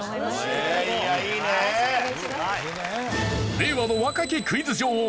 令和の若きクイズ女王影山